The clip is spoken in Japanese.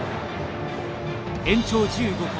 延長１５回。